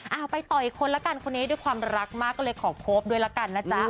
เอาไปต่ออีกคนละกันคนนี้ด้วยความรักมากก็เลยขอคบด้วยละกันนะจ๊ะ